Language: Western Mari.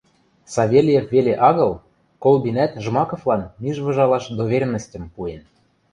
— Савельев веле агыл, Колбинӓт Жмаковлан миж выжалаш доверенностьым пуэн.